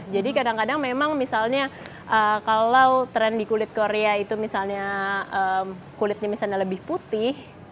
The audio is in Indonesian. jadi kadang kadang memang misalnya kalau trend di kulit korea itu misalnya kulitnya misalnya lebih putih